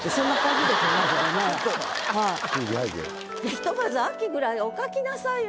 ひとまず「秋」ぐらいお書きなさいよ